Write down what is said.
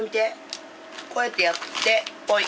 こうやってやってポイ。